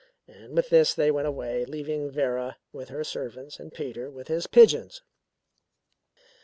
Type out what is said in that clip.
And with this they went away, leaving Vera with her servants and Peter with his pigeons.